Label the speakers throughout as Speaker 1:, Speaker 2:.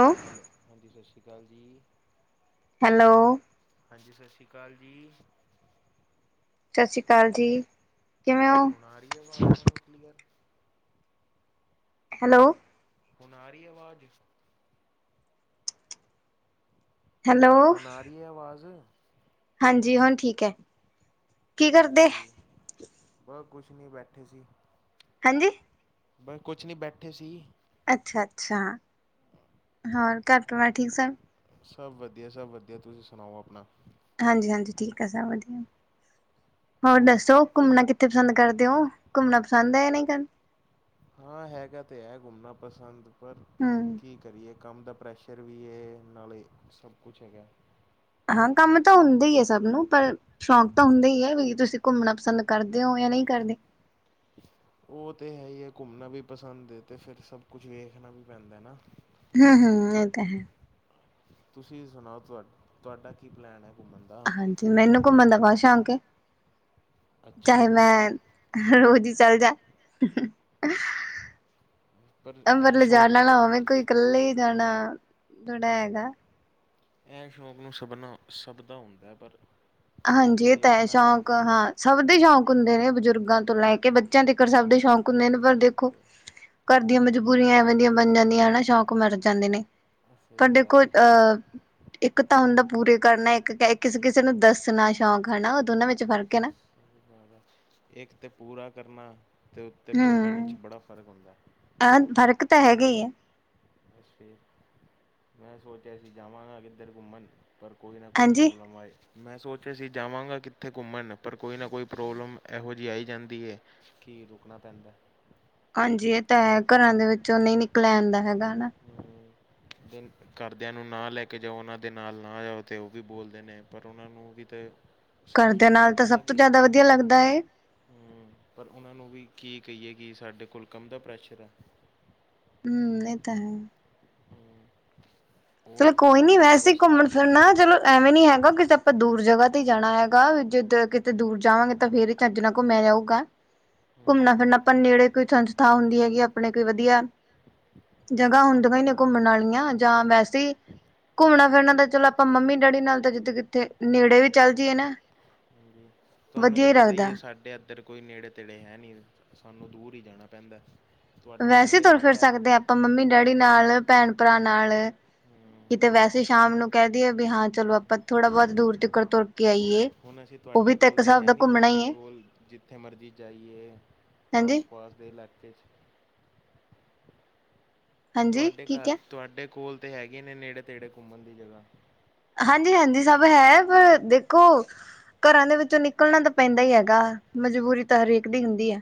Speaker 1: ਉਹ
Speaker 2: ਹੈਲੋ ਹਾਂਜੀ ਸਸਰੀਕਾਲ ਜੀ।
Speaker 1: ਹੈਲੋ
Speaker 2: ਹਾਂਜੀ ਸਸੀਕਾਲ ਜੀ।
Speaker 1: ਸਸੀਕਾਲ ਜੀ। ਕਿਵੇਂ ਹੋ?
Speaker 2: ਹੁਣ ਆ ਰਹੀ ਐ ਆਵਾਜ਼ ਤੁਹਾਨੂੰ ਕਲੀਅਰ।
Speaker 1: ਹੈਲੋ
Speaker 2: ਹੁਣ ਆ ਰਹੀ ਆ ਆਵਾਜ਼।
Speaker 1: ਹੈਲੋ।
Speaker 2: ਹੁਣ ਆ ਰਹੀ ਆ ਆਵਾਜ਼
Speaker 1: ਹਾਂਜੀ ਹੁਣ ਠੀਕ ਆ।
Speaker 2: ਹਾਂਜੀ ਬਸ ਕੁਛ ਨਹੀ ਬੈਠੇ ਸੀ।
Speaker 1: ਹੈ ਜੀ
Speaker 2: ਬਸ ਕੁਛ ਨੀ ਬੈਠੇ ਸੀ।
Speaker 1: ਅੱਛਾ- ਅੱਛਾ ਹੋਰ ਘਰ ਪਰਿਵਾਰ ਠੀਕ ਸਭ।
Speaker 2: ਸਭ ਵਧੀਆ ਸਭ ਵਧੀਆ ਤੁਸੀਂ ਸੁਣਾਓ ਆਪਣਾ।
Speaker 1: ਹਾਂਜੀ-ਹਾਂਜੀ ਠੀਕ ਆ ਸਭ ਵਧੀਆ। ਹੋਰ ਦੱਸੋ? ਘੁੰਮਣਾ ਕਿੱਥੇ ਪਸੰਦ ਕਰਦੇ ਹੋ ਘੁੰਮਣਾ ਪਸੰਦ ਐ ਜਾਂ ਨਹੀਂ।
Speaker 2: ਹਾਂ ਹੈਗਾ ਤੇ ਐ ਘੁੰਮਣਾ ਪਸੰਦ ਪਰ
Speaker 1: ਹਮ,
Speaker 2: ਕੀ ਕਰੀਏ ਕੰਮ ਦਾ ਪ੍ਰੈਸ਼ਰ ਵੀ ਇਹ ਨਾਲੇ ਸਭ ਕੁਛ ਹੈਗਾ।
Speaker 1: ਹਾਂ ਕੰਮ ਤਾਂ ਹੁੰਦਾ ਈ ਐ ਸਭ ਨੂੰ। ਪਰ ਸ਼ੌਕ ਤਾਂ ਹੁੰਦਾ ਈ ਐ ਵੀ ਤੁਸੀ ਘੁੰਮਣਾ ਪਸੰਦ ਕ- ਕਰਦੇ ਉ ਜਾਂ ਨਹੀਂ ਕਰਦੇ।
Speaker 2: ਉਹ ਤੇ ਹੈਈ ਐ ਘੁੰਮਣਾ ਵੀ ਪਸੰਦ ਐ ਤੇ ਫਿਰ ਸਭ ਕੁਛ ਵੇਖਣਾ ਵੀ ਪੈਦਾ ਐ ਨਾ।
Speaker 1: ਹਮ-ਹਮ ਇਹ ਤਾਂ ਐ।
Speaker 2: ਤੁਸੀ ਸੁਣਾਓ ਤੁਹਾ ਤੁਹਾਡਾ ਕੀ ਪਲੈਨ ਐ ਘੁੰਮਣ ਦਾ।
Speaker 1: ਹਾਂਜੀ ਮੈਨੂੰ ਘੁੰਮਣ ਦਾ ਬਹੁਤ ਸ਼ੌਕ ਐ।
Speaker 2: ਅੱਛਾ
Speaker 1: ਚਾਹੇ
Speaker 2: ਜੀ
Speaker 1: ਮੈਂ ਰੋਜ਼ ਈ ਚੱਲਜਾ‌।
Speaker 2: ਪਰ
Speaker 1: ਅੰਬਰ
Speaker 2: ਇਹ ਸ਼ੌਕ
Speaker 1: ਲਿਜਾਣਾ ਵਾਲਾ ਹੋਵੇ ਕੋਈ। ਇਕੱਲੇ ਜਾਣਾ ਦੁੜਾ ਹੈਗਾ।
Speaker 2: ਇਹ ਸ਼ੌਕ ਨੂੰ ਸਭਨਾ ਸਭ ਦਾ ਹੁੰਦਾ ਐ ਪਰ‌
Speaker 1: ਹਾਂਜੀ ਇਹ ਤੈਅ ਸ਼ੌਕ ਹਾਂ। ਸਭ ਦੇ ਸ਼ੌਂਕ ਹੁੰਦੇ ਨੇ ਬਜ਼ੁਰਗਾਂ ਤੋਂ ਲੈ ਕੇ ਬੱਚਿਆਂ ਤੀਕਰ ਸਭ ਦੇ ਸ਼ੌਂਕ ਹੁੰਦੇ ਨੇ। ਪਰ ਦੇਖੋ, ਘਰ ਦੀਆਂ ਮਜਬੂਰੀਆਂ ਐਵੇਂ ਦੀਆਂ ਬਣ ਜਾਂਦੀਆਂ ਹਨਾ ਸ਼ੌਂਕ ਮਰ ਜਾਂਦੇ ਨੇ। ਪਰ
Speaker 2: ਸਹੀ
Speaker 1: ਦੇਖੋ
Speaker 2: ਗੱਲ ਹੈ ਸਹੀ
Speaker 1: ਅਹ, ਇੱਕ ਤਾਂ ਹੁੰਦਾ ਪੂਰੇ ਕਰਨਾ ਇੱਕ ਕਿਸੇ-ਕਿਸੇ ਨੂੰ ਦੱਸਣਾ ਸ਼ੌਕ ਆ ਨਾ ਉਹ ਦੋਨਾਂ ਵਿੱਚ ਫਰਕ ਐ ਨਾ।
Speaker 2: ਇੱਕ ਤੇ ਪੂਰਾ ਕਰਨਾ ਤੇ ਉੱਤੇ ਬੋਲਣ ਵਿੱਚ ਬੜਾ ਫ਼ਰਕ ਹੁੰਦਾ ਏ।
Speaker 1: ਅਹ ਫ਼ਰਕ ਤਾਂ ਹੈਗਾ ਈ ਐ।
Speaker 2: ਬ ਫ ਮੈਂ ਸੋਚਿਆ ਸੀ ਜਾਵਾਂਗਾ ਕਿੱਧਰ ਘੁੰਮਣ। ਪਰ ਕੋਈ ਨਾ ਕੋਈ
Speaker 1: ਹਾਂਜੀ।
Speaker 2: ਪ੍ਰੋਬਲਮ ਆਏ ਮੈਂ ਸੋਚਿਆ ਸੀ ਜਾਵਾਂਗਾ ਕਿੱਥੇ ਘੁੰਮਣ ਪਰ ਕੋਈ ਨਾ ਕੋਈ ਪ੍ਰੋਬਲਮ ਇਹੋ ਜਿਹੀ ਆਈ ਜਾਂਦੀ ਐ। ਕੀ ਰੁਕਣਾ ਪੈਦਾ।
Speaker 1: ਹਾਂਜੀ, ਇਹ ਤਾਂ ਐ ਘਰਾਂ ਦੇ ਵਿੱਚੋਂ ਨਹੀਂ ਨਿਕਲਿਆ ਜਾਂਦਾ ਹੈਗਾ ਹਨਾ।
Speaker 2: ਦਿਨ ਘਰਦਿਆਂ ਨੂੰ ਨਾ ਲੈ ਕੇ ਜਾਓ। ਉਹਨਾਂ ਦੇ ਨਾਲ ਨਾ ਜਾਓ ਅਤੇ ਉਹ ਵੀ ਬੋਲਦੇ ਨੇ। ਪਰ ਉਹਨਾਂ ਨੂੰ ਵੀ ਤਾਂ
Speaker 1: ਘਰ ਦੇ
Speaker 2: ਸੋਚਣਾ
Speaker 1: ਨਾਲ
Speaker 2: ਚਾਹੀਦਾ
Speaker 1: ਤਾਂ
Speaker 2: ਐ
Speaker 1: ਸਭ
Speaker 2: ਨਾ
Speaker 1: ਤੋਂ
Speaker 2: ਕਿ
Speaker 1: ਜ਼ਿਆਦਾ ਵਧੀਆ ਲੱਗਦਾ ਏ।
Speaker 2: ਹੂੰ ਪਰ ਉਹਨਾਂ ਨੂੰ ਵੀ ਕੀ ਕਹੀਏ ਵੀ ਕਿ ਸਾਡੇ ਕੋਲ ਕੰਮ ਦਾ ਪ੍ਰੈਸ਼ਰ ਆ‌।
Speaker 1: ਹਮ ਇਹ ਤਾਂ ਹੈ।
Speaker 2: ਹੂੰ, ਉਹ
Speaker 1: ਚੱਲੋ ਕੋਈ ਨੀ
Speaker 2: ਸਾਡੇ ਤੋਂ
Speaker 1: ਵੈਸੇ
Speaker 2: ਬਸ
Speaker 1: ਘੁੰਮਣ ਫਿਰਨਾ ਚੱਲੋ ਐਵੇਂ ਨੀ ਹੈਗਾ ਕਿਤੇ ਆਪਾਂ ਦੂਰ ਜਗ੍ਹਾ ਤੇ ਹੀ ਜਾਣਾ ਹੈਗਾ ਜਿੱਦੇ ਕਿਤੇ ਦੂਰ ਜਾਵਾਂਗੇ ਤਾਂ ਫਿਰ ਹੀ ਚੱਜ ਨਾਲ ਘੁੰਮਿਆ ਜਾਊਗਾ
Speaker 2: ਹੂੰ
Speaker 1: ਘੁੰਮਣਾ ਫਿਰਨਾ ਆਪਾਂ ਨੇੜੇ ਕੋਈ ਸੰਸਥਾ ਹੁੰਦੀ ਹੈਗੀ ਆਪਣੇ ਕੋਈ ਵਧੀਆ। ਜਗ੍ਹਾ ਹੁੰਦਆਂ ਈ ਨੇ
Speaker 2: ਹੂੰ
Speaker 1: ਘੁੰਮਣ ਵਾਲੀਆਂ ਜਾਂ ਵੈਸੇ। ਸੀ ਘੁੰਮਣਾ-ਫਿਰਨਾ ਤਾਂ ਚੱਲੋ ਆਪਾਂ ਮੰਮੀ-ਡੈਡੀ ਨਾਲ ਤਾਂ ਜਿੱਥੇ ਕਿੱਥੇ ਨੇੜੇ ਵੀ ਚੱਲ ਜਾਈਏ ਨਾ।
Speaker 2: ਹਾਂਜੀ। ਤੁਹਾਨੂੰ
Speaker 1: ਵਧੀਆ
Speaker 2: ਤਾਂ
Speaker 1: ਹੀ
Speaker 2: ਪਤਾ ਈ‌ ਐ
Speaker 1: ਲੱਗਦਾ।
Speaker 2: ਸਾਡੇ ਇੱਧਰ ਕੋਈ ਨੇੜੇ-ਤੇੜੇ ਐ ਨਹੀਂ ਸਾਨੂੰ ਦੂਰ ਹੀ ਜਾਣਾ ਪੈਂਦਾ। ਤੁਹਾਡੇ
Speaker 1: ਵੈਸੇ
Speaker 2: ਨੇੜੇ
Speaker 1: ਤੁਰ-ਫਿਰ
Speaker 2: ਹੈਗਾ
Speaker 1: ਸਕਦੇ ਆ ਆਪਾਂ ਮੰਮੀ-ਡੈਡੀ ਨਾਲ ਭੈਣ-ਭਰਾ ਨਾਲ।
Speaker 2: ਹੂੰ
Speaker 1: ਕਿਤੇ ਵੈਸੇ ਸ਼ਾਮ ਨੂੰ ਕਹਿ ਦਈਏ ਵੀ ਹਾਂ ਚਲੋ ਆਪਾਂ ਥੋੜਾ ਬਹੁਤ ਦੂਰ ਤੀਕਰ ਤੁਰ। ਕੇ ਆਈਏ।
Speaker 2: ਹੁਣ ਅਸੀ
Speaker 1: ਉਹ ਵੀ
Speaker 2: ਤੁਹਾਡੇ
Speaker 1: ਇੱਕ
Speaker 2: ਕੋਲ ਤਾਂ
Speaker 1: ਹਿਸਾਬ
Speaker 2: ਹੈਨੀ
Speaker 1: ਦਾ
Speaker 2: ਨਹੀਂ
Speaker 1: ਘੁੰਮਣਾ
Speaker 2: ਤੁਹਾਡੇ
Speaker 1: ਹੀ ਹੈ
Speaker 2: ਕੋਲ ਜਿੱਥੇ ਮਰਜ਼ੀ ਜਾਈਏ।
Speaker 1: ਹਾਂਜੀ।
Speaker 2: ਆਸ-ਪਾਸ ਦੇ ਇਲਾਕੇ 'ਚ।
Speaker 1: ਹਾਂਜੀ
Speaker 2: ਤੁਹਾਡੇ
Speaker 1: ਕੀ
Speaker 2: ਘਰ
Speaker 1: ਕਿਆ
Speaker 2: ਤੁਹਾਡੇ ਕੋਲ ਤੇ ਹੈਗੇ। ਨੇੜੇ-ਤੇੜੇ ਘੁੰਮਣ ਦੀ ਜਗ੍ਹਾ।
Speaker 1: ਹਾਂਜੀ-ਹਾਂਜੀ ਸਭ ਹੈ ਪਰ ਦੇਖੋ। ਘਰਾਂ ਦੇ ਵਿੱਚੋਂ ਨਿਕਲਣਾ ਤਾਂ ਪੈਂਦਾ ਈ ਗਾ ਮਜਬੂਰੀ ਤਾਂ ਹਰੇਕ ਦੀ ਹੁੰਦੀ ਐ।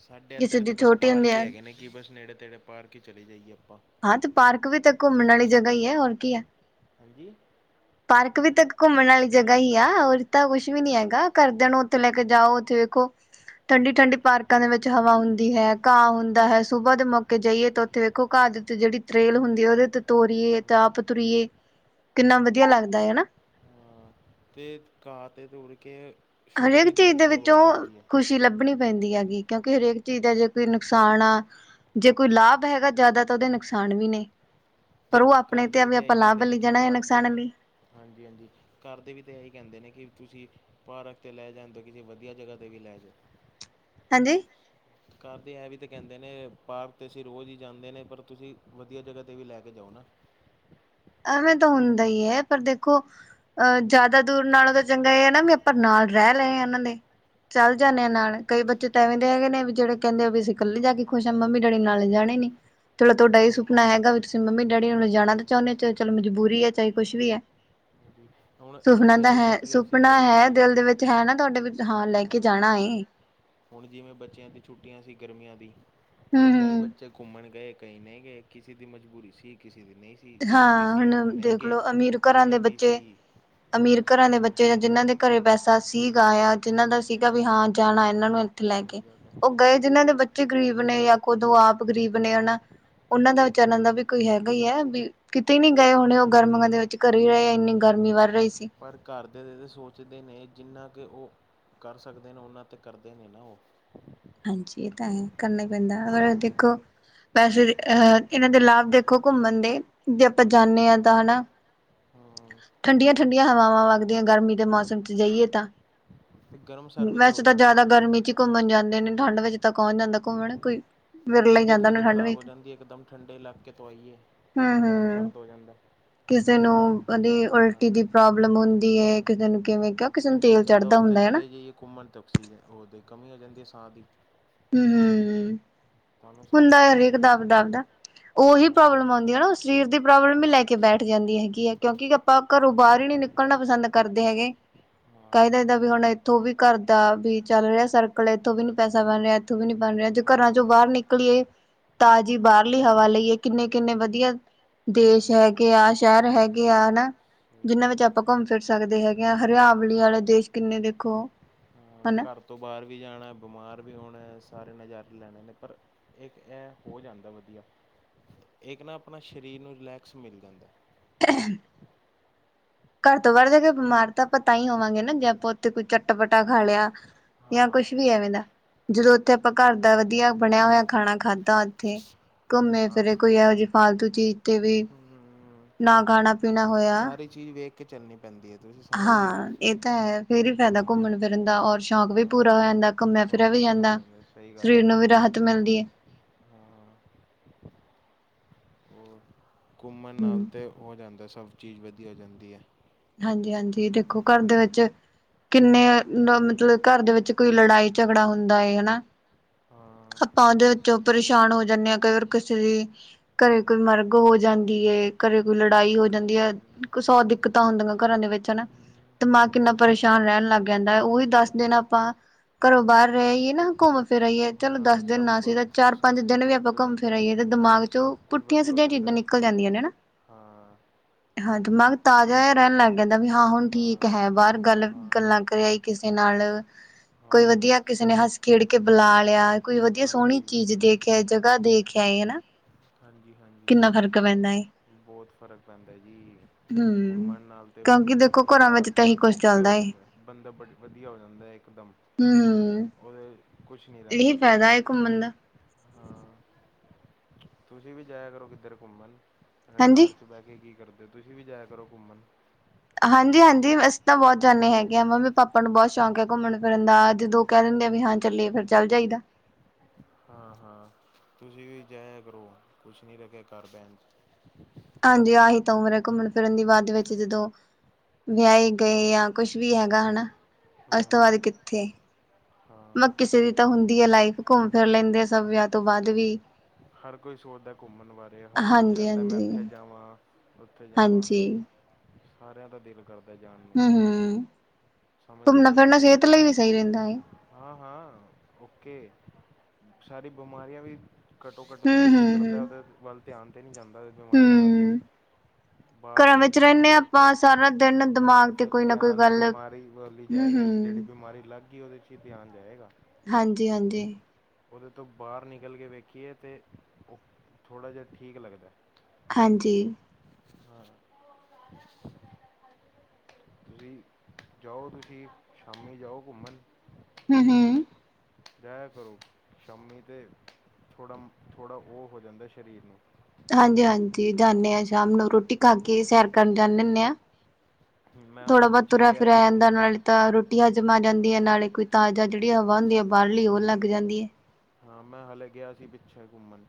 Speaker 2: ਸਾਡੇ ਇੱਧਰ ਤਾਂ ਬਸ ਪਾਰਕ ਹੀ ਹੈਗੇ ਨੇ ਕਿ ਬਸ ਨੇੜੇ-ਤੇੜੇ ਪਾਰਕ ਹੀ ਚੱਲੇ ਜਾਈਏ ਆਪਾਂ।
Speaker 1: ਹਾਂ ਤੇ ਪਾਰਕ ਵੀ ਤਾਂ ਘੁੰਮਣ ਵਾਲੀ ਜਗ੍ਹਾ ਈ ਐ ਤੇ ਹੋਰ ਕੀ ਐ।
Speaker 2: ਹਾਂਜੀ।
Speaker 1: ਪਾਰਕ ਵੀ ਤਾਂ ਘੁੰਮਣ ਵਾਲੀ ਜਗ੍ਹਾ ਹੀ ਆ। ਔਰ ਤਾਂ ਕੁੱਛ ਵੀ ਨੀ ਹੈਗਾ ਘਰਦਿਆਂ ਨੂੰ ਉੱਥੇ ਲੈ ਕੇ ਜਾਓ ਉੱਥੇ ਵੇਖੋ। ਠੰਡੀ ਠੰਡੀ ਪਾਰਕਾਂ ਦੇ ਵਿੱਚ ਹਵਾ ਹੁੰਦੀ ਹੈ। ਘਾਹ ਹੁੰਦਾ ਹੈ। ਸੁਬਾ ਦੇ ਮੌਕੇ ਜਾਈਏ ਤੇ ਉੱਥੇ ਵੇਖੋ ਘਾਹ ਦੇ ਉੱਤੇ ਜਿਹੜੀ ਤਰੇਲ ਹੁੰਦੀ ਆ। ਉਹਦੇ ਤੇ ਤੋਰੀਏ ਤੇ
Speaker 2: ਹਮ,
Speaker 1: ਆਪ ਤੋਰੀਏ ਕਿੰਨਾ ਵਧੀਆ ਲੱਗਦਾ ਹੈ ਹਨਾ।
Speaker 2: ਤੇ ਘਾਹ ਤੇ ਤੁਰ ਕੇ ਸ਼ੂਗਰ
Speaker 1: ਹਰੇਕ
Speaker 2: ਵੀ ਤਾਂ
Speaker 1: ਚੀਜ਼ ਦੇ
Speaker 2: ਕੰਟਰੋਲ ਹੋ
Speaker 1: ਵਿੱਚੋਂ
Speaker 2: ਜਾਂਦੀ ਹੈ
Speaker 1: ਖੁਸ਼ੀ ਲੱਭਣੀ ਪੈਂਦੀ ਆ ਗੀ। ਕਿਉਂਕਿ ਹਰੇਕ ਚੀਜ਼ ਦਾ ਜੇ ਕੋਈ ਨੁਕਸਾਨ ਆ ਜੇ ਕੋਈ ਲਾਭ ਹੈਗਾ ਜ਼ਿਆਦਾ ਤੇ ਉਹਦੇ ਨੁਕਸਾਨ ਵੀ ਨੇ। ਪਰ
Speaker 2: ਅਤੇ
Speaker 1: ਉਹ ਆਪਣੇ
Speaker 2: ਘਰ ਦੇ
Speaker 1: ਤੇ ਵੀ
Speaker 2: ਤਾਂ ਇਹੀ
Speaker 1: ਆਪਾਂ ਲਾਭ
Speaker 2: ਕਹਿੰਦੇ ਨੇ
Speaker 1: ਵੱਲੀ
Speaker 2: ਕਿ
Speaker 1: ਜਾਣਾ ਐ ਜਾ
Speaker 2: ਪਾਰਕ
Speaker 1: ਨੁਕਸਾਨ ਵੱਲੀ।
Speaker 2: ਹਾਂਜੀ ਹਾਂਜੀ। ਘਰ ਦੇ ਵੀ ਤਾਂ ਇਹੀ ਕਹਿੰਦੇ ਨੇ ਕਿ ਤੁਸੀਂ ਪਾਰਕ 'ਤੇ ਲੈ ਜਾਂਣਦੇ ਓ। ਕਿਸੇ ਵਧੀਆ ਜਗ੍ਹਾ 'ਤੇ ਵੀ ਲੈ ਜੋ।
Speaker 1: ਹੈਜੀ
Speaker 2: ਘਰਦੇ ਐ ਵੀ ਤਾਂ ਕਹਿਦੇ ਨੇ ਪਾਰਕ 'ਤੇ ਅਸੀਂ ਰੋਜ਼ ਹੀ ਜਾਂਦੇ ਨੇ। ਪਰ ਤੁਸੀਂ ਵਧੀਆ ਜਗ੍ਹਾ 'ਤੇ ਵੀ ਲੈ ਕੇ ਜਾਓ ਨਾ।
Speaker 1: ਐਵੇਂ ਤਾਂ ਹੁੰਦਾ ਹੀ ਐ। ਪਰ ਦੇਖੋ ਅਹ ਜ਼ਿਆਦਾ ਦੂਰ ਨਾਲੋਂ ਤਾਂ ਚੰਗਾ ਇਹ ਨਾ ਵੀ ਪਾ ਨਾਲ ਰਹਿ ਲਏ ਆ ਇਹਨਾਂ ਦੇ। ਚੱਲ ਜਾਨੇ ਆ
Speaker 2: ਹਮ,
Speaker 1: ਨਾਲ ਕਈ ਬੱਚੇ ਐਵੇਂ ਦੇ ਹੈਗੇ ਨੇ ਵੀ ਜਿਹੜੇ ਕਹਿੰਦੇ ਆ ਵੀ ਅਸੀਂ ਇਕੱਲੇ ਜਾ ਕੇ ਖੁਸ਼ ਹਾਂ ਮੰਮੀ-ਡੈਡੀ ਨਾਲ ਲਿਜਾਣਾ
Speaker 2: ਹਮ।
Speaker 1: ਨੀ। ਚਲੋ ਤੁਹਾਡਾ ਇਹ
Speaker 2: ਹੁਣ
Speaker 1: ਸੁਪਨਾ ਹੈਗਾ ਵੀ ਤੁਸੀਂ ਮੰਮੀ ਡੈਡੀ ਨੂੰ ਲਜਾਣਾ ਚਾਹੁੰਦੇ ਹੋ ਚੇ ਚਲ ਮਜਬੂਰੀ ਹੈ ਚਾਹੇ ਕੁਛ ਵੀ ਆ।
Speaker 2: ਹ ਹੋ [unintelligible]
Speaker 1: ਸੁਪਨਾ ਤਾ ਹੈ ਸੁਪਨਾ ਹੈ ਦਿਲ ਦੇ ਵਿੱਚ ਹੈ ਨਾ ਤੁਹਾਡੇ ਹਾਂ ਲੈ ਕੇ ਜਾਣਾ ਏ।
Speaker 2: ਹੁਣ ਜਿਵੇਂ ਬੱਚਿਆਂ ਦੀ ਛੁੱਟੀਆਂ ਸੀ ਗਰਮੀਆਂ ਦੀ ਤੇ
Speaker 1: ਹੂੰ
Speaker 2: ਕਈ
Speaker 1: ਹੂੰ,
Speaker 2: ਬੱਚੇ ਘੁੰਮਣ ਗਏ। ਕਈ ਨਹੀਂ ਗਏ ਕਿਸੇ ਦੀ ਮਜਬੂਰੀ ਸੀ ਕਿਸੇ ਦੀ ਨਹੀਂ। ਸੀ ਜਿਨ੍ਹਾਂ ਦੀ
Speaker 1: ਹਾਂ
Speaker 2: ਸੀ ਉਹ
Speaker 1: ਹੁਣ
Speaker 2: ਨਹੀਂ ਗਏ
Speaker 1: ਦੇਖਲੋ ਅਮੀਰ ਘਰਾਂ
Speaker 2: ਜਿਨ੍ਹਾਂ
Speaker 1: ਦੇ
Speaker 2: ਦੀ ਸੀ
Speaker 1: ਬੱਚੇ ਅਮੀਰ
Speaker 2: ਉਹ
Speaker 1: ਘਰਾਂ
Speaker 2: ਸੋਚ
Speaker 1: ਦੇ
Speaker 2: ਰਹੇ
Speaker 1: ਬੱਚੇ ਜਾਂ ਜਿਹਨਾਂ ਦੇ ਘਰੇ ਪੈਸਾ ਸੀਗਾ ਆ। ਜਾਂ ਜਿਹਨਾਂ ਦਾ ਸੀਗਾ ਵੀ ਹਾਂ ਜਾਣਾ ਇਹਨਾਂ ਨੂੰ ਇੱਥੇ ਲੈ ਕੇ
Speaker 2: ਸਹੀ ਗੱਲ ਹੈ
Speaker 1: ਉਹ ਗਏ। ਜਿਨਾਂ ਦੇ ਬੱਚੇ ਗਰੀਬ ਨੇ ਜਾਂ ਖੁਦ ਉਹ ਆਪ ਗਰੀਬ ਨੇ ਹਨਾ। ਉਹਨਾਂ ਦਾ ਵਿਚਾਰਿਆ
Speaker 2: ਹਾਂ
Speaker 1: ਦਾ ਵੀ ਕੋਈ ਹੈ। ਗਈ ਹੈ ਵੀ ਕਿਤੇ ਨੀ ਗਏ ਹੁਣੇ ਉਹ ਗਰਮੀਆ ਦੇ ਵਿੱਚ ਘਰੀ ਰਹੇ ਇੰਨੀ ਗਰਮੀ ਵਰ ਰਹੀ ਸੀ।
Speaker 2: ਪਰ ਘਰ ਦੇ ਤਾਂ ਸੋਚਦੇ ਨੇ ਜਿੰਨਾ ਕਿ ਉਹ ਕਰ ਸਕਦੇ ਨੇ। ਉਹਨਾਂ ਤੇ ਕਰਦੇ ਨੇ ਨਾ ਉਹ।
Speaker 1: ਹਾਂਜੀ, ਇਹ ਤਾਂ ਇਹ ਕਰਨਾ ਹੀ ਪੈਂਦਾ। ਅਗਰ
Speaker 2: ਹਾਂ
Speaker 1: ਦੇਖੋ ਵੈਸੇ ਅਹ ਇਹਨਾਂ ਦੇ ਲਾਭ ਦੇਖੋ ਘੁੰਮਣ ਦੇ। ਜੇ ਆਪਾਂ
Speaker 2: ਹਾਂ
Speaker 1: ਜਾਣੇ ਆ ਤਾਂ ਹਨਾ।
Speaker 2: ਹਾਂ
Speaker 1: ਠੰਡੀਆਂ-ਠੰਡੀਆਂ ਹਵਾਵਾਂ ਵੱਗਦੀਆਂ। ਗਰਮੀ ਦੇ ਮੌਸਮ 'ਚ ਜਾਈਏ ਤਾਂ।
Speaker 2: ਤੇ ਗਰਮ ਸਰ ਵੀ ਤੇ
Speaker 1: ਵੈਸੇ
Speaker 2: ਹੋ
Speaker 1: ਤਾਂ
Speaker 2: ਜਾਂਦਾ
Speaker 1: ਜ਼ਿਆਦਾ ਗਰਮੀ 'ਚ ਹੀ ਘੁੰਮਣ ਜਾਂਦੇ ਨੇ। ਠੰਡ ਵਿੱਚ ਤਾਂ ਕੌਣ ਜਾਂਦਾ ਘੁੰਮਣ। ਕੋਈ
Speaker 2: ਤੇ
Speaker 1: ਵਿਰਲਾ ਹੀ
Speaker 2: ਤਬੀਅਤ
Speaker 1: ਜਾਂਦਾ
Speaker 2: ਵੀ
Speaker 1: ਨਾ
Speaker 2: ਤਾਂ
Speaker 1: ਠੰਡ
Speaker 2: ਖਰਾਬ
Speaker 1: ਵਿੱਚ
Speaker 2: ਹੋ ਜਾਂਦੀ ਏ। ਇੱਕਦਮ ਠੰਡੇ ਇਲਾਕੇ ਤੋਂ ਆਈਏ
Speaker 1: ਹੂੰ
Speaker 2: ਗਰਮ
Speaker 1: ਹੂੰ
Speaker 2: ਸਰਦ ਹੋ ਜਾਂਦਾ।
Speaker 1: ਕਿਸੇ ਨੂੰ
Speaker 2: ਸਾ
Speaker 1: ਉਹਦੀ ਉਲਟੀ
Speaker 2: ਹਾਂ
Speaker 1: ਦੀ ਪ੍ਰੋਬਲਮ ਹੁੰਦੀ ਏ।
Speaker 2: ਹਮ
Speaker 1: ਕਿਸੇ ਨੂੰ ਕਿਵੇਂ ਕ
Speaker 2: ਕਿੱਥੇ ਜ਼ਿਆਦਾ ਉੱਤੇ ਚਲੇ ਜਾਈਏ ਘੁੰਮਣ ਤੇ ਆਕਸੀਜਨ ਉਹਦੇ ਕਮੀ ਹੋ ਜਾਂਦੀ ਹੈ ਸਾਹ ਦੀ।
Speaker 1: ਹੰ ਹੂੰ ਹੂੰ
Speaker 2: ਤੁਹਾਨੂੰ ਸਾਰੀ
Speaker 1: ਹੁੰਦਾ ਏ
Speaker 2: ਗ
Speaker 1: ਹਰੇਕ ਦਾ ਆਬਦਾ-ਆਬਦਾ। ਉਹੀ
Speaker 2: ਹਾਂ
Speaker 1: ਪ੍ਰੋਬਲਮ ਆਉਦੀ ਹੈ ਨਾ ਸਰੀਰ ਦੀ ਪ੍ਰੋਬਲਮ ਈ ਲੈ ਕੇ ਬੈਠ ਜਾਂਦੀ ਹੈਗੀ ਆ ਕਿਉਂਕਿ ਆਪਾਂ ਘਰੋਂ ਬਾਹਰ ਹੀ ਨੀ ਨਿਕਲਣਾ ਪਸੰਦ ਕਰਦੇ ਹੈਗੇ। ਕਹਿ
Speaker 2: ਹਾਂ
Speaker 1: ਦੇਈ ਦਾ ਵੀ ਹੁਣ ਇੱਥੋਂ ਵੀ ਘਰਦਾ ਵੀ ਚੱਲ ਰਿਹਾ ਸਰਕਲ ਇੱਥੋਂ ਵੀ ਨੀ ਪੈਸਾ ਪੈ ਰਿਹਾ। ਇੱਥੋਂ ਵੀ ਨੀ ਬਣ ਰਿਹਾ। ਜੇ ਘਰਾਂ ਚੋਂ
Speaker 2: ਹਮ
Speaker 1: ਬਾਹਰ ਨਿਕਲੀਏ। ਤਾਜ਼ੀ ਬਾਹਰਲੀ ਹਵਾ ਲਈਏ ਕਿੰਨੇ-ਕਿੰਨੇ ਵਧੀਆ ਦੇਸ਼
Speaker 2: ਹਮ
Speaker 1: ਹੈਗੇ ਆ। ਸ਼ਹਿਰ ਹੈਗੇ ਆ ਹਨਾ। ਜਿਹਨਾਂ
Speaker 2: ਸਹੀ
Speaker 1: ਵਿੱਚ ਆਪਾਂ ਘੁੰਮ ਫਿਰ ਸਕਦੇ ਹੈਗੇ ਹਾਂ। ਹਰਿਆਵਲੀ ਵਾਲੇ ਦੇਸ਼ ਕਿੰਨੇ ਦੇਖੋ?
Speaker 2: ਹਾਂ
Speaker 1: ਹਨਾ
Speaker 2: ਘਰ ਤੋਂ ਬਾਹਰ ਵੀ ਜਾਣਾ, ਬਿਮਾਰ ਵੀ ਹੋਣਾ, ਸਾਰੇ ਨਜ਼ਾਰੇ ਲੈਣੇ ਨੇ ਪਰ ਇੱਕ ਇਹ ਹੋ ਜਾਂਦਾ ਵਧੀਆ। ਇੱਕ ਨਾ ਆਪਣਾ ਸਰੀਰ ਨੂੰ ਰਿਲੈਕਸ ਮਿਲ ਜਾਂਦਾ।
Speaker 1: [unintelligible] ਘਰ ਤੋਂ
Speaker 2: ਹਾਂ
Speaker 1: ਬਾਹਰ ਜਾ ਕੇ ਬਿਮਾਰ ਤਾਂ ਆਪਾਂ ਤਾਂ ਹੀ ਹੋਵਾਂਗੇ ਨਾ ਜੇ ਆਪਾਂ ਉੱਥੇ ਕੋਈ ਚਟਾ ਪਟਾ ਖਾ ਲਿਆ।
Speaker 2: ਹਾਂ
Speaker 1: ਜਾਂ ਕੁੱਛ ਵੀ ਐਵੇਂ ਦਾ। ਜਦੋਂ ਉੱਥੇ ਆਪਾਂ ਘਰ ਦਾ ਵਧੀਆ ਬਣਿਆ ਹੋਇਆ ਖਾਣਾ ਖਾਧਾ। ਤੇ ਘੁੰਮੇ
Speaker 2: ਹਾਂ
Speaker 1: ਫਿਰੇ ਕੋਈ ਇਹੋ ਜਿਹੀ ਫਾਲਤੂ ਚੀਜ਼ 'ਤੇ ਵੀ
Speaker 2: ਹਮ
Speaker 1: ਨਾ ਖਾਣਾ ਪੀਣਾ ਹੋਇਆ।
Speaker 2: ਸਾਰੀ ਚੀਜ਼ ਵੇਖ ਕੇ ਚਲਣੀ ਪੈਦੀ ਐ।
Speaker 1: ਹਾਂ, ਇਹ ਤਾਂ ਹੈ ਫਿਰ ਹੀ ਫਾਇਦਾ
Speaker 2: ਹਾਂ
Speaker 1: ਘੁੰਮਣ ਫਿਰਨ ਦਾ ਔਰ ਸ਼ੌਕ ਵੀ
Speaker 2: ਹਾਂ
Speaker 1: ਪੂਰਾ ਹੋ ਜਾਂਦਾ। ਘੁੰਮਿਆ ਫਿਰਿਆ
Speaker 2: ਸ਼ੌਕ
Speaker 1: ਵੀ
Speaker 2: ਪੂਰਾ ਹੋ
Speaker 1: ਜਾਂਦਾ,
Speaker 2: ਸਹੀ ਗੱਲ
Speaker 1: ਸਰੀਰ
Speaker 2: ਹੈ
Speaker 1: ਨੂੰ ਵੀ ਰਾਹਤ ਮਿਲਦੀ ਏ।
Speaker 2: ਹਾਂ ਹੋਰ ਘੁੰਮਣ
Speaker 1: ਹਮ
Speaker 2: ਨਾਲ ਤਾਂ ਹੋ ਜਾਂਦਾ ਸਭ ਚੀਜ਼ ਵਧੀਆ ਹੋ ਜਾਂਦੀ ਏ।
Speaker 1: ਹਾਂਜੀ-ਹਾਂਜੀ ਦੇਖੋ ਘਰ ਦੇ ਵਿੱਚ ਕਿੰਨੇ ਮਤਲਬ ਘਰ ਦੇ ਵਿੱਚ ਕੋਈ ਲੜਾਈ-ਝਗੜਾ ਹੁੰਦਾ ਏ ਹਨਾ।
Speaker 2: ਹਾਂ।
Speaker 1: ਆਪਾਂ ਉਹਦੇ ਵਿੱਚੋ ਪਰੇਸ਼ਾਨ ਹੋ ਜਾਂਦੇ ਕਈ ਵਾਰ ਕਿਸੇ ਦੀ ਘਰੇ ਕੋਈ ਮਰਗ ਹੋ ਜਾਂਦੀ ਏ। ਘਰੇ ਕੋਈ ਲੜਾਈ ਹੋ ਜਾਂਦੀ ਏ, ਕੁ ਸੌ ਦਿੱਕਤਾਂ ਹੁੰਦੀਆਂ ਘਰਾਂ ਦੇ ਵਿੱਚ ਹਨਾ।
Speaker 2: ਹਮ,
Speaker 1: ਦਿਮਾਗ
Speaker 2: ਉਹ
Speaker 1: ਕਿੰਨਾ
Speaker 2: ਜ-
Speaker 1: ਪਰੇਸ਼ਾਨ ਰਹਿਣ ਲੱਗ ਰਹਿੰਦਾ। ਉਹੀ ਦਸ ਦਿਨ ਆਪਾਂ ਘਰੋਂ ਬਾਹਰ ਰਹਿਈਏ ਨਾ ਘੁੰਮ ਫਿਰ ਆਈਏ। ਚਲੋ ਦਸ
Speaker 2: ਹਾਂ
Speaker 1: ਦਿਨ
Speaker 2: ਸਭ
Speaker 1: ਨਾ ਸੀ
Speaker 2: ਕੁਝ
Speaker 1: ਤਾਂ ਚਾਰ
Speaker 2: ਸਭ
Speaker 1: ਪੰਜ ਦਿਨ
Speaker 2: ਕੁਝ
Speaker 1: ਵੀ ਆਪਾਂ
Speaker 2: ਓਕੇ ਹੋ
Speaker 1: ਘੁੰਮ ਫਿਰ
Speaker 2: ਜਾਂਦਾ ਹੈ,
Speaker 1: ਆਈਏ ਤੇ ਦਿਮਾਗ
Speaker 2: ਸਭ
Speaker 1: ਚੋਂ,
Speaker 2: ਕੁਝ
Speaker 1: ਪੁੱਠੀਆਂ
Speaker 2: ਵਧੀਆ ਹੋ
Speaker 1: ਸਿੱਧੀਆਂ ਚੀਜ਼ਾਂ
Speaker 2: ਜਾਂਦਾ
Speaker 1: ਨਿਕਲ
Speaker 2: ਹੈ।
Speaker 1: ਜਾਂਦੀਆਂ ਨੇ ਹਨਾ।
Speaker 2: ਹਾਂ।
Speaker 1: ਹਾਂ ਦਿਮਾਗ ਤਾ- ਜਾਂ
Speaker 2: ਹਾਂ
Speaker 1: ਰਹਿਣ ਲੱਗ ਜਾਂਦਾ ਵੀ ਹਾਂ ਹੁਣ ਠੀਕ
Speaker 2: ਹਾਂ
Speaker 1: ਹੈ ਬਾਹਰ ਗੱਲ
Speaker 2: ਹਾਂ
Speaker 1: ਗੱਲਾਂ ਕਰਿਆ ਹੀ ਕਿਸੇ ਨਾਲ। ਕੋਈ
Speaker 2: ਹਾਂ
Speaker 1: ਵਧੀਆ ਕਿਸੇ ਨੇ ਹੱਸ ਖੇਡ ਕੇ ਬੁਲਾ ਲਿਆ। ਕੋਈ ਵਧੀਆ ਸੋਹਣੀ
Speaker 2: ਹਾਂਜੀ
Speaker 1: ਚੀਜ਼ ਦੇਖ ਆਏ ਜਗ੍ਹਾ ਦੇਖਿਆ ਹਨਾ।
Speaker 2: ਹਾਂਜੀ- ਹਾਂਜੀ।
Speaker 1: ਕਿੰਨਾ ਫ਼ਰਕ ਪੈਂਦਾ ਏ
Speaker 2: ਬਹੁਤ ਫ਼ਰਕ ਪੈਂਦਾ ਜੀ।
Speaker 1: ਹੂੰ
Speaker 2: ਮਣ ਨਾਲ ਤੇ,
Speaker 1: ਕਿਉਂਕਿ ਦੇਖੋ ਘਰਾਂ
Speaker 2: ਬੰਦਾ,
Speaker 1: ਵਿੱਚ ਤਾਂ ਇਹੀ ਕੁਛ
Speaker 2: ਓਕੇ ਹੋ
Speaker 1: ਚੱਲਦਾ ਏ
Speaker 2: ਜਾਂਦਾ। ਬੰਦਾ ਬੜ ਵਧੀਆ ਹੋ ਜਾਂਦਾ ਇਕਦਮ।
Speaker 1: ਹਮ।
Speaker 2: ਉਹਦੇ ਕੁਛ ਨਹੀਂ ਰਹਿੰਦਾ
Speaker 1: ਇਹੀ
Speaker 2: ਉਹਦੇ
Speaker 1: ਫਾਇਦਾ
Speaker 2: 'ਚ
Speaker 1: ਏ ਘੁੰਮਣ ਦਾ।
Speaker 2: ਤੁਸੀ ਵੀ ਜਾਇਆ ਕਰੋ ਕਿੱਧਰ ਘੁੰਮਣ। ਆਪਣੇ
Speaker 1: ਹਾਂਜੀ
Speaker 2: ਘਰ ਚ ਬਹਿ ਕੇ ਕੀ ਕਰਦੇ ਹੋ ਤੁਸੀ ਵੀ ਜਾਇਆ ਕਰੋ ਘੁੰਮਣ।
Speaker 1: ਹਾਂਜੀ-ਹਾਂਜੀ। ਅਸੀ ਤਾਂ ਬਹੁਤ ਜਾਂਦੇ ਹੈਗੇ ਹਾਂ ਮੰਮੀ-ਪਾਪਾ ਨੂੰ ਬਹੁਤ ਸ਼ੌਂਕ ਹੈ ਘੁੰਮਣ ਫਿਰਨ ਦਾ ਜਦੋਂ ਕਹਿ ਦਿੰਦੇ ਵੀ ਹਾਂ ਚੱਲੀ ਫਿਰ ਚੱਲ ਜਾਈਦਾ।
Speaker 2: ਹਾਂ-ਹਾਂ ਤੁਸੀਂ ਵੀ ਜਾਇਆ ਕਰੋ, ਕੁਛ ਨੀ ਰੱਖਿਆ ਘਰ ਬੈਣ 'ਚ।
Speaker 1: ਹਾਂਜੀ ਆਹੀ ਤਾਂ ਉਮਰ ਏ ਘੁੰਮਣ-ਫਿਰਨ ਦੀ ਬਾਅਦ ਵਿੱਚ ਜਦੋਂ ਵਿਆਹੀ ਗਏ ਆ ਜਾਂ ਕੁਛ ਵੀ ਹੈਗਾ ਹੈਨਾ, ਉਸ ਤੋਂ ਬਾਅਦ
Speaker 2: ਹੂੰ
Speaker 1: ਕਿੱਥੇ। ਮੈਂ
Speaker 2: ਹਾਂ
Speaker 1: ਕਿਸੇ ਦੀ ਤਾਂ ਹੁੰਦੀ ਏ ਲਾਈਫ ਘੁੰਮ ਫਿਰ ਲੈਂਦੇ ਆ ਸਭ ਵਿਆਹ ਤੋਂ ਬਾਅਦ ਵੀ।
Speaker 2: ਹਰ ਕੋਈ ਸੋਚਦਾ ਘੁੰਮਣ ਬਾਰੇ ਹਰ ਕੋਈ
Speaker 1: ਹਾਂਜੀ
Speaker 2: ਚਾਹੁੰਦਾ ਮੈਂ ਇੱਥੇ
Speaker 1: ਹਾਂਜੀ
Speaker 2: ਜਾਵਾਂ। ਉੱਥੇ ਜਾਵਾਂ,
Speaker 1: ਹਾਂਜੀ
Speaker 2: ਸਾਰਿਆਂ ਦਾ ਦਿਲ ਕਰਦਾ। ਜਾਣ ਨੂੰ,
Speaker 1: ਹੂੰ ਹੂੰ
Speaker 2: ਸਮਝ
Speaker 1: ਘੁੰਮਣਾ
Speaker 2: ਰਹੇ ਹੋ
Speaker 1: ਫਿਰਨਾ
Speaker 2: ਤੁਸੀ।
Speaker 1: ਸਿਹਤ ਲਈ ਵੀ ਸਹੀ ਰਹਿੰਦਾ ਹੈ
Speaker 2: ਹਾਂ- ਹਾਂ, ਓਕੇ, ਸਾਰੀ ਬਿਮਾਰੀਆਂ ਵੀ ਘੱਟੋ-ਘੱਟ
Speaker 1: ਹੂੰ
Speaker 2: ਦੂਰ ਤੇ
Speaker 1: ਹੂੰ ਹੂੰ
Speaker 2: ਕਰਦਾ ਉਹਦੇ ਵੱਲ ਧਿਆਨ 'ਤੇ ਨਹੀਂ ਜਾਂਦਾ ਬਿਮਾਰੀਆਂ ਵੱਲ।
Speaker 1: ਹੂੰ
Speaker 2: ਬਾਹਰ
Speaker 1: ਘਰਾਂ
Speaker 2: ਦੀ
Speaker 1: ਵਿੱਚ
Speaker 2: ਚੀਜ਼
Speaker 1: ਰਹਿੰਦੇ ਹਾਂ
Speaker 2: ਵੇਖ ਕੇ
Speaker 1: ਆਪਾਂ ਸਾਰਾ ਦਿਨ
Speaker 2: ਹਾਂ
Speaker 1: ਦਿਮਾਗ ਤੇ
Speaker 2: ਫਿਰ
Speaker 1: ਕੋਈ ਨਾ ਕੋਈ
Speaker 2: ਧਿਆਨ
Speaker 1: ਗੱਲ
Speaker 2: ਬਿਮਾਰੀ ਵੱਲ ਹੀ
Speaker 1: ਹੂੰ
Speaker 2: ਜਾਏਗਾ। ਜਿਹੜੀ
Speaker 1: ਹੂੰ
Speaker 2: ਬਿਮਾਰੀ ਲੱਗ ਗਈ ਉਹਦੇ 'ਚ ਹੀ ਧਿਆਨ ਜਾਏਗਾ।
Speaker 1: ਹਾਂਜੀ-ਹਾਂਜੀ।
Speaker 2: ਉਹਦੇ ਤੋਂ ਬਾਹਰ ਨਿਕਲ ਕੇ ਵੇਖੀਏ ਤੇ ਉਹ ਥੋੜ੍ਹਾ ਜਿਹਾ ਠੀਕ ਲੱਗਦਾ।
Speaker 1: ਹਾਂਜੀ।
Speaker 2: ਹਾਂ। [unintelligible] ਤੁਸੀ ਜਾਓ ਤੁਸੀਂ, ਸ਼ਾਮੀ ਜਾਓ ਘੁੰਮਣ
Speaker 1: ਹੂੰ
Speaker 2: ਫਿਰਨ।
Speaker 1: ਹੂੰ
Speaker 2: ਜਇਆ ਕਰੋ, ਸ਼ਾਮੀ ਤੇ ਥੋੜ੍ਹਾ, ਥੋੜ੍ਹਾ ਉਹ ਹੋ ਜਾਂਦਾ ਸਰੀਰ ਨੂੰ।
Speaker 1: ਹਾਂਜੀ-ਹਾਂਜੀ ਜਾਂਦੇ ਹਾਂ ਸ਼ਾਮ ਨੂੰ ਰੋਟੀ ਖਾ ਕੇ ਸੈਰ ਕਰਨ ਜਾਂਦੇ ਹੁਣੇ ਹਾਂ।
Speaker 2: ਮੈਂ ਹਾਲੇ
Speaker 1: ਥੋੜਾ ਬਹੁਤ
Speaker 2: ਪਿੱਛੇ
Speaker 1: ਤੁਰਿਆ
Speaker 2: ਗਿਆ
Speaker 1: ਫਿਰਿਆ
Speaker 2: ਸੀ
Speaker 1: ਜਾਂਦਾ
Speaker 2: ਘੁੰਮਣ
Speaker 1: ਨਾਲੇ ਤਾਂ ਰੋਟੀਆਂ ਜਮਾ ਜਾਂਦੀ।
Speaker 2: ਹਾਂ
Speaker 1: ਨਾਲੇ ਕੋਈ ਤਾਜ਼ਾ ਜਿਹੜੀ ਹਵਾ ਹੁੰਦੀ ਹੈ ਬਾਹਰਲੀ ਉਹ ਲੱਗ
Speaker 2: ਹੂੰ
Speaker 1: ਜਾਂਦੀ ਏ।
Speaker 2: ਹਾਂ, ਮੈਂ ਹਾਲੇ ਗਿਆ ਸੀ ਪਿੱਛੇ ਘੁੰਮਣ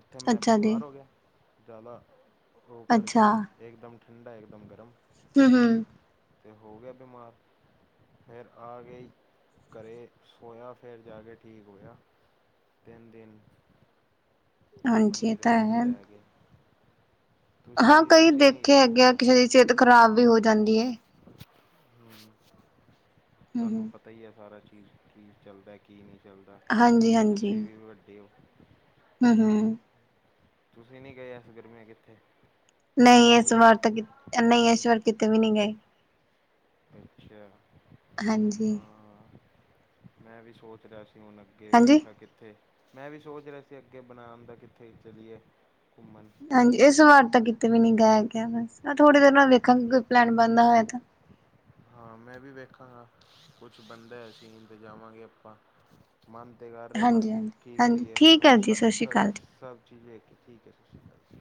Speaker 2: ਉੱਥੇ ਮੈਂ
Speaker 1: ਅੱਛਾ ਜੀ
Speaker 2: ਬਿਮਾਰ ਹੋ ਗਿਆ। ਜ਼ਿਆਦਾ ਉਹ ਕਰਕੇ
Speaker 1: ਅੱਛਾ
Speaker 2: ਇੱਕਦਮ ਠੰਡਾ, ਇੱਕਦਮ ਗਰਮ।
Speaker 1: ਹਮ ਹਮ।
Speaker 2: ਤੇ ਹੋ ਗਿਆ ਬਿਮਾਰ। ਫਿਰ ਆ ਗਈ ਘਰੇ ਸੋਇਆ ਫਿਰ ਜਾ ਕੇ ਠੀਕ ਹੋਇਆ। ਤਿੰਨ ਦਿਨ
Speaker 1: ਹਾਂਜੀ ਇਹ
Speaker 2: ਘੁੰਮਣ-ਫਿਰਨ
Speaker 1: ਤਾਂ
Speaker 2: ਨੀ 'ਚ
Speaker 1: ਹੈ
Speaker 2: ਰਹਿ ਗਏ।
Speaker 1: ਹਾਂ
Speaker 2: ਤੁਸੀ
Speaker 1: ਕਈ
Speaker 2: ਤੁਸੀ ਨਹੀ
Speaker 1: ਦੇਖੇ ਹੈਗੇ ਆ
Speaker 2: ਹਾਂ।
Speaker 1: ਕਿਸੇ ਦੀ ਸਿਹਤ ਖ਼ਰਾਬ ਵੀ ਹੋ ਜਾਂਦੀ ਹੈ
Speaker 2: ਹਮ ਪਤਾ ਹੀ ਏ ਚੀਜ਼ ਕੀ ਏ। ਚੱਲਦਾ ਕੀ ਨਹੀ ਚੱਲਦਾ
Speaker 1: ਹਾਂਜੀ ਹਾਂਜੀ
Speaker 2: ਤੁਸੀਂ ਵੀ ਵੱਡੇ ਹੋ।
Speaker 1: ਹਮ ਹਮ।
Speaker 2: ਤੁਸੀ ਨਹੀਂ ਗਏ ਐਸ ਗਰਮੀਆਂ ਕਿੱਥੇ।
Speaker 1: ਨਹੀਂ ਇਸ
Speaker 2: ਜਾਓਗੇ
Speaker 1: ਵਾਰ ਤਾਂ ਕਿਤੇ ਨਹੀਂ ਇਸ ਵਾਰ ਕਿਤੇ ਵੀ ਨਹੀਂ ਗਏ।
Speaker 2: ਅੱਛਾ।
Speaker 1: ਹਾਂਜੀ।
Speaker 2: ਹਾਂ ਮੈਂ ਵੀ ਸੋਚ ਰਿਹਾ ਸੀ ਹੁਣ ਅੱਗੇ
Speaker 1: ਹਾਂਜੀ
Speaker 2: ਵੇਖਿਆ ਕਿੱਥੇ ਮੈਂ ਵੀ ਸੋਚ ਰਿਹਾ ਸੀ ਅੱਗੇ ਬਣਾਣ ਦਾ ਕਿੱਥੇ ਚਲੀਏ ਘੁੰਮਣ।
Speaker 1: ਹਾਂਜੀ, ਇਸ ਵਾਰ ਤਾਂ ਕਿਤੇ ਵੀ ਨੀ ਗਾਇਆ ਗਿਆ ਬਸ ਥੋੜੀ ਦੇਰ ਨਾਲ ਵੇਖਾਂਗੇ ਕੋਈ ਪਲੈਨ ਬਣਦਾ ਹੋਇਆ ਤਾਂ।
Speaker 2: ਹਾਂ ਮੈਂ ਵੀ ਵੇਖਾਂਗਾ। ਕੁਛ ਬਣਦਾ ਹੋਇਆ ਸੀਨ ਤੇ ਜਾਵਾਂਗੇ ਆਪਾਂ। ਮਾਨਦੇ ਕਰ ਰਹੇ ਪਰ
Speaker 1: ਹਾਂਜੀ ਹਾਂਜੀ
Speaker 2: ਕੀ
Speaker 1: ਹਾਂਜੀ
Speaker 2: ਕਰੀਏ
Speaker 1: ਠੀਕ ਹੈ ਜੀ
Speaker 2: ਸ
Speaker 1: ਸਤਿ ਸ਼੍ਰੀ
Speaker 2: ਸਭ
Speaker 1: ਅਕਾਲ
Speaker 2: ਸਭ ਠੀਕ ਐ ਠੀਕ ਐ।